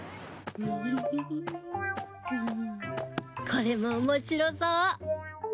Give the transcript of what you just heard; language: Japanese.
これも面白そう。